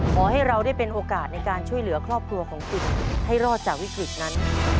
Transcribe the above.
ขอให้เราได้เป็นโอกาสในการช่วยเหลือครอบครัวของคุณให้รอดจากวิกฤตนั้น